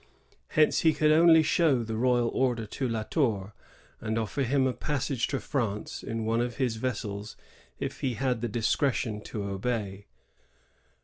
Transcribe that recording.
Hence he could only show the royal order to La Tour, and offer him a passage to France in one of his vessels if he had the discretion to obey.